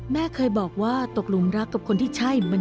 แม่เคยบอกว่าตกลงรักกับคนที่ใช่มันง่าย